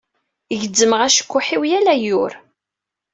Gezzmeɣ acekkuḥ-iw yal ayyur.